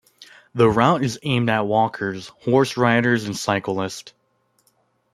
The route is aimed at walkers, horse riders and cyclists.